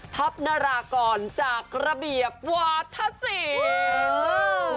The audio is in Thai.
ทรัพย์นรากรจากระเบียบวัทธศิลป์